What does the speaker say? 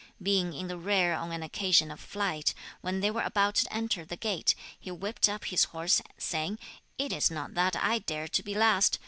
Being in the rear on an occasion of flight, when they were about to enter the gate, he whipped up his horse, saying, "It is not that I dare to be last.